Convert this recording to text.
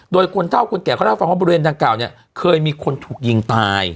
โดยคนเท่าคนแก่เขาได้ฟังว่าบังเอิญทางเก่าเนี้ยเคยมีคนถูกยิงตาย